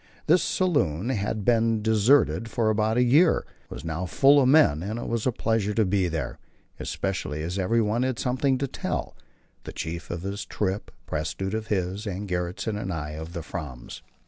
This saloon, after being deserted for a year, was now full of men, and it was a pleasure to be there; especially as everyone had something to tell the Chief of his trip, Prestrud of his, and Gjertsen and I of the Fram's.